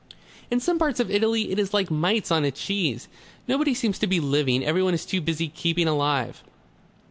"In some parts of Italy it is like mites on a cheese. Nobody seems to be living. Everyone is too busy keeping alive."